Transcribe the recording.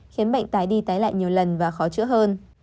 khiến bệnh tái đi tái lại nhiều lần và khó chữa hơn